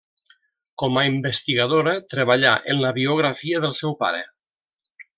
Com a investigadora treballà en la biografia del seu pare.